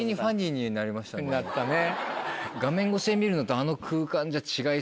なったね。